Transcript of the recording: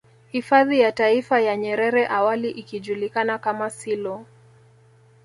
Hifadhi ya Taifa ya Nyerere awali ikijulikana kama selou